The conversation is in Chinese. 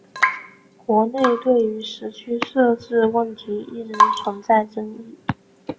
国内对于时区设置问题一直存在争议。